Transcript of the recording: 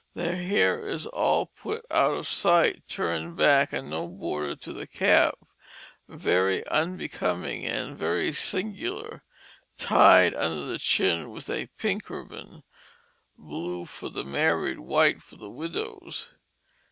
The hair is all put out of sight, turned back, and no border to the cap, very unbecoming and very singular, tied under the chin with a pink ribbon blue for the married, white for the widows.